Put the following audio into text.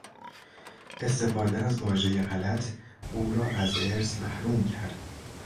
استفاده از واژهی غلط، او را از ارث محروم کرد.